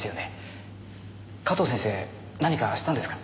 加藤先生何かしたんですか？